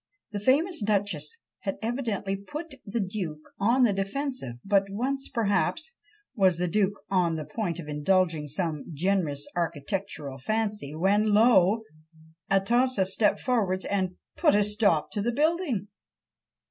The famous duchess had evidently put the duke on the defensive; but once, perhaps, was the duke on the point of indulging some generous architectural fancy, when lo! Atossa stepped forwards and "put a stop to the building."